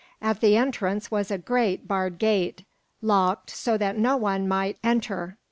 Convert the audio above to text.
At the entrance was a great barred gate, locked so that no one might enter.